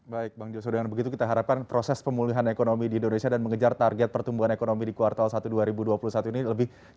baik bang joso dengan begitu kita harapkan proses pemulihan ekonomi di indonesia dan mengejar target pertumbuhan ekonomi di kuartal satu dua ribu dua puluh satu ini lebih baik